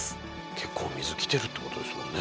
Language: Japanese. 結構水来てるってことですもんね。